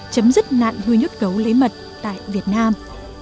chấm dứt nạn nuôi nhốt gấu lấy mật tại việt nam